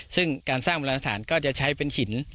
ซึ่งการสร้างบรรณฐานก็จะใช้เป็นหิน